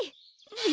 え？